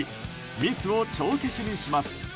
ミスを帳消しにします。